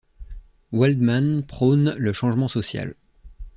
Waldman prône le changement social.